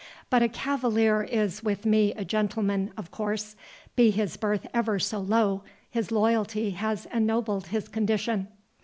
But a cavalier is with me a gentleman, of course—Be his birth ever so low, his loyalty has ennobled his condition."